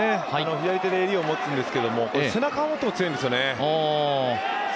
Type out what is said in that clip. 左手で、襟を持つんですが背中を持っても強いんですよね。